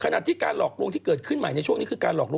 ขณะที่การหลอกลวงที่เกิดขึ้นใหม่ในช่วงนี้คือการหลอกลวง